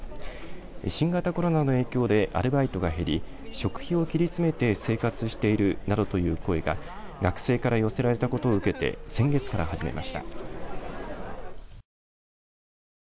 新型コロナの影響でアルバイトが減り食費を切りつめて生活しているなどという声が学生から寄せられたことを受けて先月から始めました。